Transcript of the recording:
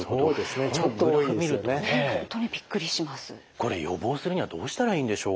これ予防するにはどうしたらいいんでしょう？